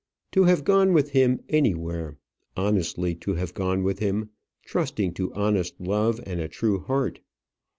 To have gone with him anywhere honestly to have gone with him trusting to honest love and a true heart.